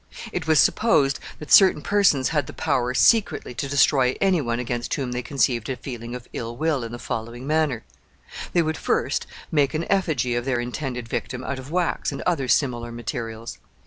It was supposed that certain persons had the power secretly to destroy any one against whom they conceived a feeling of ill will in the following manner: They would first make an effigy of their intended victim out of wax and other similar materials.